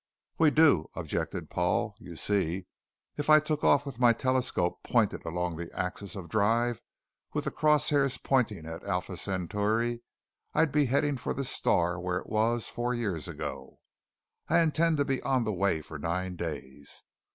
"We do," objected Paul. "You see, if I took off with my telescope pointed along the axis of drive with the cross hairs pointing at Alpha Centauri, I'd be heading for the star where it was four years ago. I intend to be on the way for nine days.